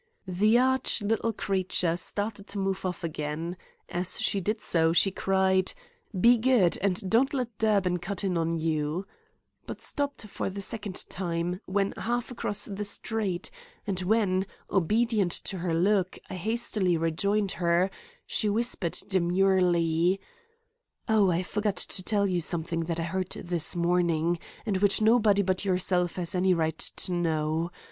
The arch little creature started to move off again. As she did so, she cried: "Be good, and don't let Durbin cut in on you;" but stopped for the second time when half across the street, and when, obedient to her look, I hastily rejoined her, she whispered demurely: "Oh, I forgot to tell you something that I heard this morning, and which nobody but yourself has any right to know.